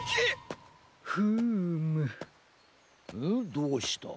どうした？